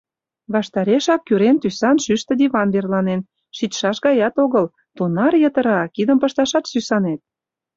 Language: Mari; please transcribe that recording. Ваштарешак кӱрен тӱсан шӱштӧ диван верланен, шичшаш гаят огыл, тунар йытыра, кидым пышташат сӱсанет.